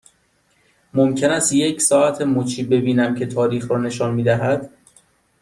ممکن است یک ساعت مچی ببینم که تاریخ را نشان می دهد؟